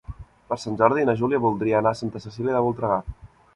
Per Sant Jordi na Júlia voldria anar a Santa Cecília de Voltregà.